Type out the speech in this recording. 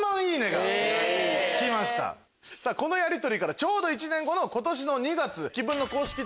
このやりとりからちょうど１年後の。